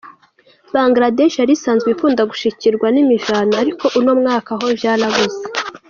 Bangladesh yari isanzwe ikunda gushikirwa n'imiravyo, ariko uno mwaka ho vyarabuze.